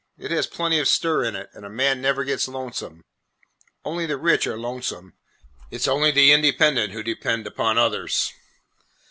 It has plenty of stir in it, and a man never gets lonesome. Only the rich are lonesome. It 's only the independent who depend upon others."